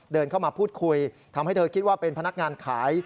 เดินเข้ามาพูดคุยทำให้เธอคิดว่าเป็นพนักงานขาย